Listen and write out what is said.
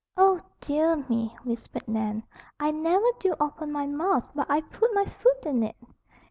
"Oh, dear me!" whispered Nan. "I never do open my mouth but I put my foot in it!"